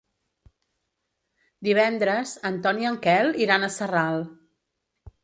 Divendres en Ton i en Quel iran a Sarral.